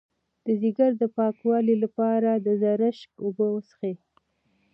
د ځیګر د پاکوالي لپاره د زرشک اوبه وڅښئ